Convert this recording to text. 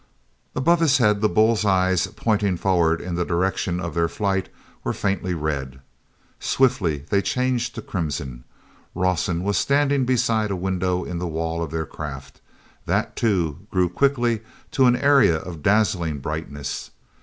Above his head the bull's eyes pointing forward in the direction of their flight were faintly red. Swiftly they changed to crimson. Rawson was standing beside a window in the wall of their craft. That, too, grew quickly to an area of dazzling brightness.